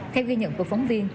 theo ghi nhận của phóng viên